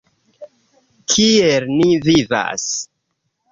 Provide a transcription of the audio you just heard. Kiel ni vivas?